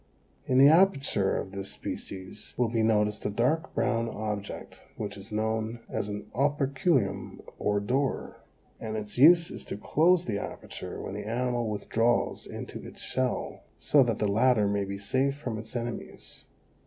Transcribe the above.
In the aperture of this species will be noticed a dark brown object which is known as an operculum or door, and its use is to close the aperture when the animal withdraws into its shell, so that the latter may be safe from its enemies.